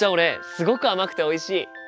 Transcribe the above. すごく甘くておいしい！